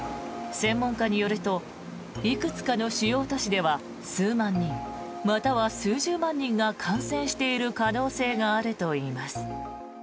専門家によるといくつかの主要都市では数万人または数十万人が感染している可能性があるといいます。